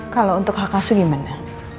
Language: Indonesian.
kalau untuk hak kasu gimana